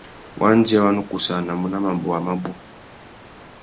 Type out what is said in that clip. Wandjê wa nu kussānamú nà mabôwa mabú.